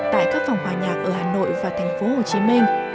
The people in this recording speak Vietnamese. tại các phòng hòa nhạc ở hà nội và thành phố hồ chí minh